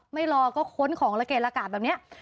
ไม่รอก็ค้นของระเกะละกาดแบบนี้